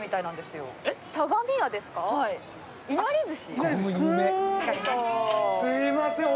すいません。